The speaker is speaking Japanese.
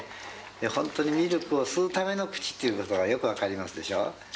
本当にミルクを吸うための口っていうことがよく分かりますでしょう。